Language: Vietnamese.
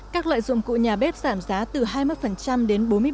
các loại dụng cụ nhà bếp giảm giá từ hai mươi đến bốn mươi ba